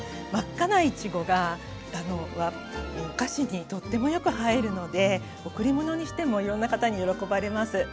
真っ赤ないちごがお菓子にとってもよく映えるので贈り物にしてもいろんな方に喜ばれます。